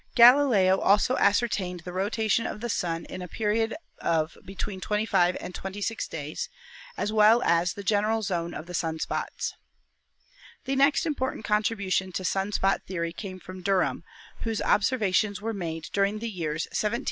Galileo also ascertained the rotation of the Sun in a period ioo ASTRONOMY of between 25 and 26 days, as well as the general zone of the sun spots. The next important contribution to sun spot theory came from Derham, whose observations were made during the years 1703 1711.